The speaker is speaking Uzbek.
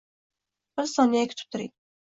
Bir soniya kutib turing.